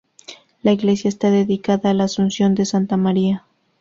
La iglesia está dedicada a la Asunción de Santa María.